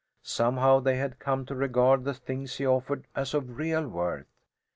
Somehow they had come to regard the things he offered as of real worth.